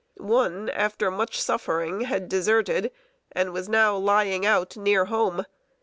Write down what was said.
One, after much suffering, had deserted, and was now "lying out" near home.